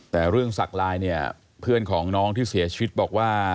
แต่เรื่องสักลายเนี่ยเพื่อนของน้องที่เสียชีวิตบอกว่า